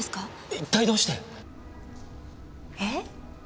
一体どうして？えっ！？